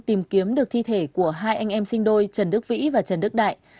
tìm kiếm được thi thể của hai anh em sinh đôi trần đức vĩ và trần đức đại